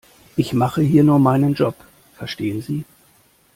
Ich mache hier nur meinen Job, verstehen Sie?